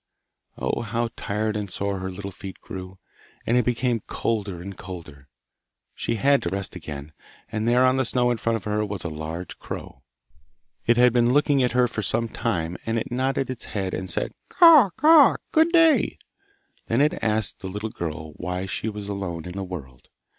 Oh, how tired and sore her little feet grew, and it became colder and colder. She had to rest again, and there on the snow in front of her was a large crow. It had been looking at her for some time, and it nodded its head and said, 'Caw! caw! good day.' Then it asked the little girl why she was alone in the world.